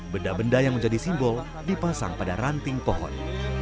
benda benda yang menjadi simbol dipasang pada ranting pohon